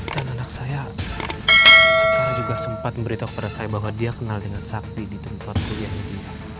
dan anak saya sekar juga sempat memberitahu kepada saya bahwa dia kenal dengan sakti di tempat kuliah dia